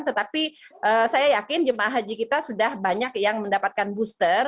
tetapi saya yakin jemaah haji kita sudah banyak yang mendapatkan booster